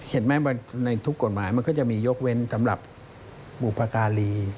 เห็นไหมในทุกกฎหมายมันก็จะมียกเว้นสำหรับบุพการี